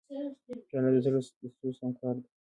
پیاله د زړه د سوز همکار ده.